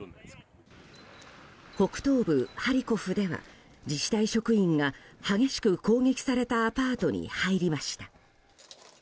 北東部ハリコフでは自治体職員が激しく攻撃されたアパートに入りました。